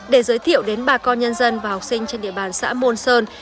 để giới thiệu đến bà con nhân dân và học sinh trên địa bàn xã môn sơn